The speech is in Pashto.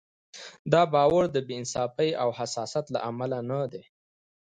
دا باور د بې انصافۍ او حسادت له امله نه دی.